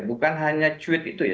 bukan hanya cuit itu ya